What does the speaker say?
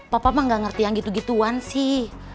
papa mah gak ngerti yang gitu gituan sih